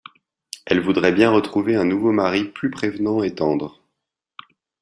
Elle voudrait bien retrouver un nouveau mari plus prévenant et tendre.